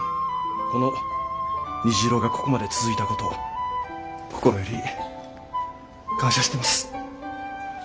この「にじいろ」がここまで続いた事心より感謝してます。